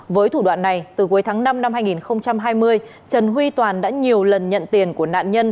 với thủ đoạn này từ cuối tháng năm năm hai nghìn hai mươi trần huy toàn đã nhiều lần nhận tiền của nạn nhân